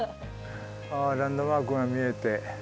あランドマークが見えて。